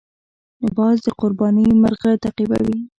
باز د قرباني مرغه تعقیبوي